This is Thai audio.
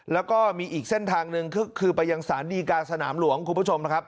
แล้วก็มีอีกเส้นทางหนึ่งคือไปยังสารดีการสนามหลวงคุณผู้ชมนะครับ